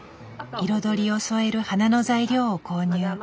彩りを添える花の材料を購入。